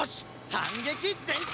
反撃全開！